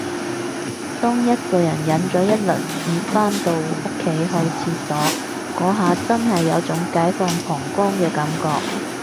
當一個人忍咗一輪至返到屋企去廁所，嗰下真係有種解放膀胱嘅感覺